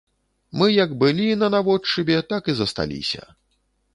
Мы як былі на наводшыбе, так і засталіся.